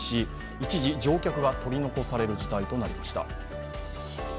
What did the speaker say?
一時、乗客が取り残される事態となりました。